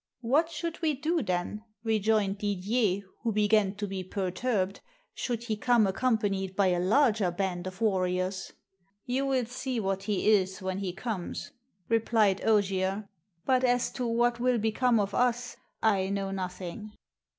'What should we do, then,' rejoined Didier, who began to be perturbed, 'should he come accompanied by a larger band of warriors? '* You will see what he is when he comes,' replied Oggier; 'butas to what will become of us I know nothing.'